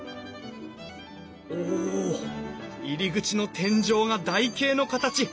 おお入り口の天井が台形の形。